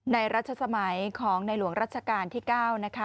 รัชสมัยของในหลวงรัชกาลที่๙นะคะ